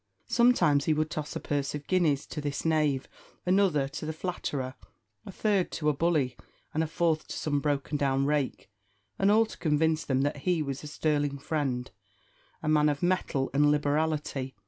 Sometimes he would toss a purse of guineas to this knave, another to that flatterer, a third to a bully, and a fourth to some broken down rake and all to convince them that he was a sterling friend a man of mettle and liberality.